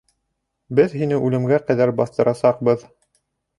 — Беҙ һине үлемгә ҡәҙәр баҫтырасаҡбыҙ.